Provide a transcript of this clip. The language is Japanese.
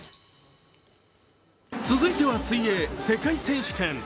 続いては、水泳世界選手権。